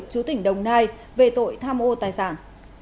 chú tỉnh đồng nai về tội tham ô tài sản